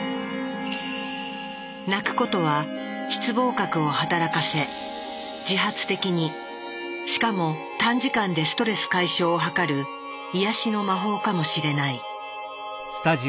泣くことは室傍核を働かせ自発的にしかも短時間でストレス解消をはかる癒やしの魔法かもしれない。